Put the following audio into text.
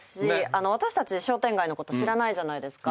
私たち商店街のこと知らないじゃないですか。